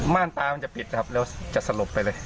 ่านตามันจะปิดนะครับแล้วจะสลบไปเลย